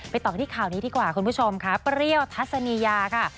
ต่อกันที่ข่าวนี้ดีกว่าคุณผู้ชมค่ะเปรี้ยวทัศนียาค่ะ